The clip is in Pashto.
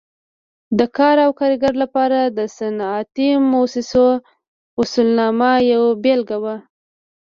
د کار او کارګر لپاره د صنعتي مؤسسو اصولنامه یوه بېلګه وه.